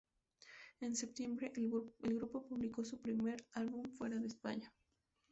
En septiembre, el grupo publicó su primer álbum fuera de España.